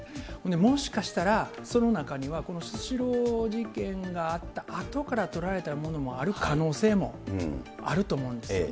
もしかしたら、その中には、このスシロー事件があったあとから撮られたものもある可能性もあると思うんですよね。